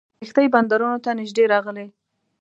کښتۍ بندرونو ته نیژدې راغلې.